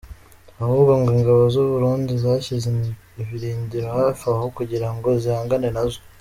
Ahubwo ngo ingabo z’u Burundi zashyize ibirindiro hafi aho kugira ngo zihangane nazo.